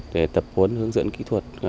để tập huấn hướng dẫn kỹ thuật